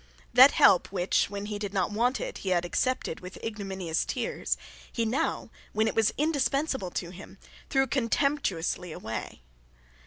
That help which, when he did not want it, he had accepted with ignominious tears, he now, when it was indispensable to him, threw contemptuously away.